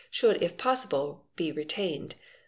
should if possible be retained.